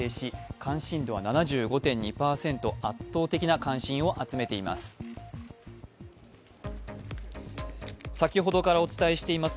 関心度は７５．２％、圧倒的な関心を集めています。